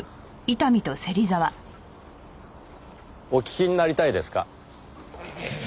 お聞きになりたいですか？